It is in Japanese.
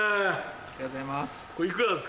ありがとうございます。